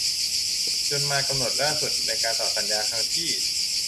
จนมากำหนดล่าสุดในการต่อสัญญาครั้งที่